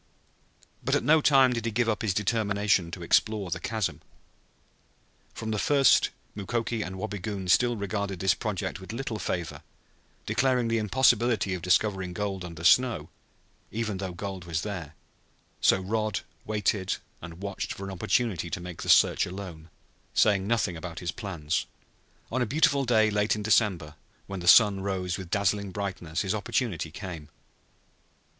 But at no time did he give up his determination to explore the chasm. From the first Mukoki and Wabigoon had regarded this project with little favor, declaring the impossibility of discovering gold under snow, even though gold was there; so Rod waited and watched for an opportunity to make the search alone, saying nothing about his plans. On a beautiful day late in December, when the sun rose with dazzling brightness, his opportunity came.